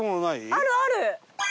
あるある。